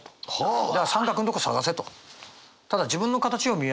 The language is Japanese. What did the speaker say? だから三角のとこ探せと。